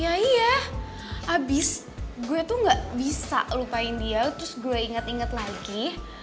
ya iya abis gue tuh gak bisa lupain dia terus gue inget inget lagi